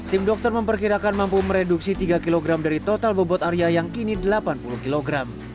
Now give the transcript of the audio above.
tim dokter memperkirakan mampu mereduksi tiga kg dari total bobot area yang kini delapan puluh kg